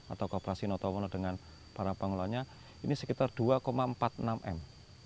atau kooperasi notowono dengan para pengelolanya ini sekitar dua empat puluh enam m